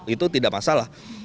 itu tidak masalah